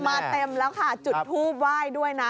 เต็มแล้วค่ะจุดทูบไหว้ด้วยนะ